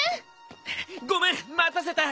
ごめん待たせた。